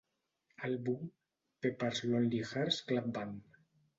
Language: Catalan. Àlbum "Pepper's Lonely Hearts Club Band".